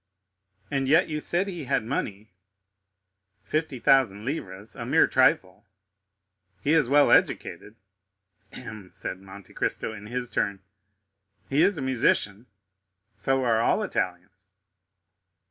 "And yet you said he had money." "Fifty thousand livres—a mere trifle." "He is well educated." "Hem," said Monte Cristo in his turn. "He is a musician." "So are all Italians."